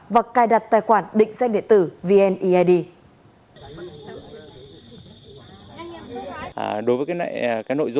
và cài đặt tài khoản định danh điện tử vneid